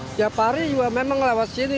setiap hari juga memang lewat sini